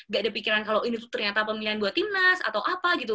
gak ada pikiran kalau ini ternyata pemilihan buat timnas atau apa gitu